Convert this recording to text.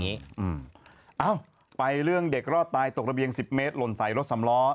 เอ้าไปเรื่องเด็กรอดตายตกระเบียงสิบเมตรหล่นใส่รถสำล้อ